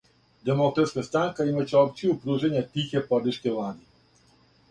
Демократска странка имаће опцију пружања тихе подршке влади.